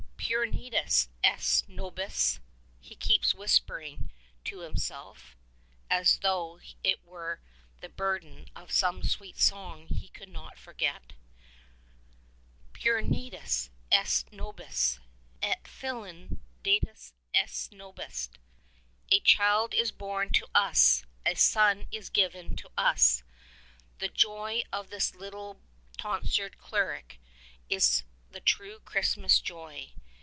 *^Puer natus est nobis/^ he keeps whispering to himself as though it were the burden of some sweet song he could not forget ; ''Puer natus est nobis, et Filius datus est nobis" : "A Child is born to us, a Son is given to us." The joy of this little tonsured cleric is the true Christmas joy.